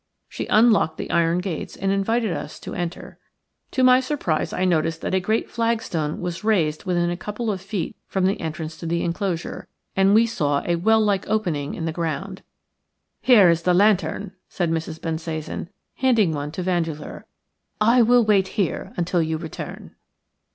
She unlocked the iron gates and invited us to enter. To my surprise I noticed that a great flagstone was raised within a couple of feet from the entrance to the enclosure, and we saw a well like opening in the ground. "Here is a lantern," said Mrs. Bensasan, handing one to Vandeleur, "I will wait here until you return."